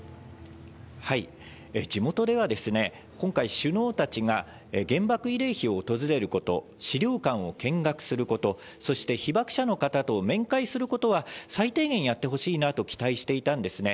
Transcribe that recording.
地元では、今回、首脳たちが原爆慰霊碑を訪れること、資料館を見学すること、そして被爆者の方と面会することは、最低限やってほしいなと期待していたんですね。